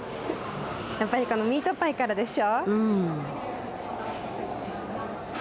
やっぱりこのミートパイからでしょ。